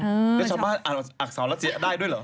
แล้วชาวบ้านอ่านอักษรัสเซียได้ด้วยเหรอ